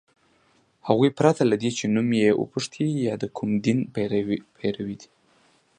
هغوی پرته له دې چي نوم یې وپوښتي یا د کوم دین پیروۍ ده